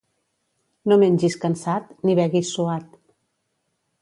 No mengis cansat, ni beguis suat.